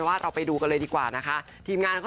ว่าเราไปดูกันเลยดีกว่านะคะ